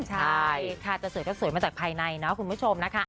ใช่ค่ะจะสวยก็สวยมาจากภายในเนาะคุณผู้ชมนะคะ